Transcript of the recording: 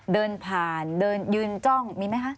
เดินผ่านเดินยืนจ้องมีไหมคะ